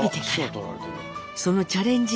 そのチャレンジ